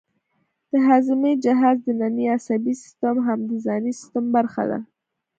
د هاضمې جهاز دنننی عصبي سیستم هم د ځانی سیستم برخه ده